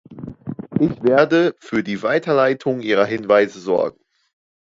Ich werde für die Weiterleitung Ihrer Hinweise sorgen.